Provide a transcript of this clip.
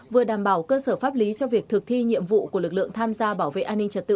vừa đảm bảo cơ sở pháp lý cho việc thực thi nhiệm vụ của lực lượng tham gia bảo vệ an ninh trật tự